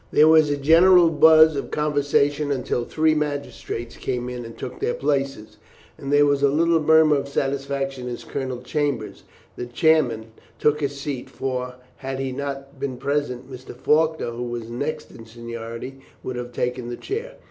There was a general buzz of conversation until three magistrates came in and took their places, and there was a little murmur of satisfaction as Colonel Chambers, the chairman, took his seat; for, had he not been present, Mr. Faulkner, who was next in seniority, would have taken the chair.